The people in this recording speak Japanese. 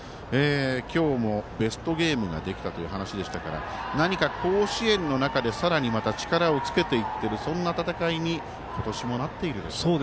今日もベストゲームができたという話でしたから何か、甲子園の中でさらに力をつけていってるそんな戦いに今年もなっているでしょうか。